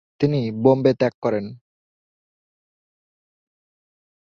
তিনি বোম্বে ত্যাগ করেন।